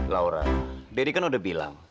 laura dedy kan udah bilang